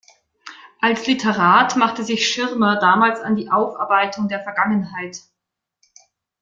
Als Literat machte sich Schirmer damals an die Aufarbeitung der Vergangenheit.